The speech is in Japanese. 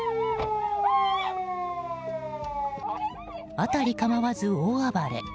辺り構わず大暴れ。